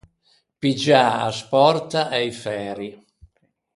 Piggiâ a spòrta e i færi.